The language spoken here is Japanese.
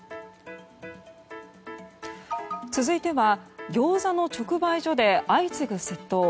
続いてはギョーザの直売所で相次ぐ窃盗。